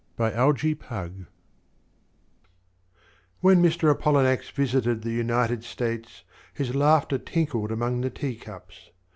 Apollinax When Mr. Apollinax visited the United States His laughter tinkled among the teacups.